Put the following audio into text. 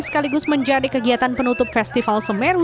sekaligus menjadi kegiatan penutup festival semeru